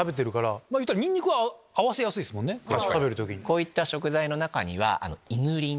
こういった食材の中には。